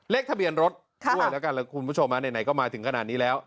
เลขทะเบียนรถด้วยแล้วกัน